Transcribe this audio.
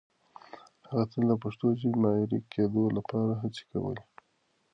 هغه تل د پښتو ژبې د معیاري کېدو لپاره هڅې کولې.